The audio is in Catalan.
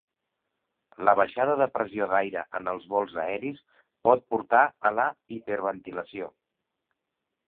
La baixada de pressió d'aire en els vols aeris pot portar a la hiperventilació.